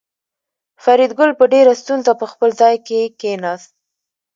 فریدګل په ډېره ستونزه په خپل ځای کې کېناست